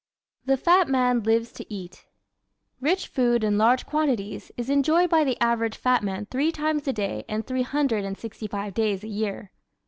The Fat Man "Lives to Eat" ¶ Rich food in large quantities is enjoyed by the average fat man three times a day and three hundred and sixty five days a year.